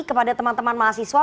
kepada teman teman mahasiswa